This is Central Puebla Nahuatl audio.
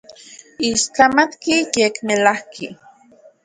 Ixtlamatki, yekmelajki.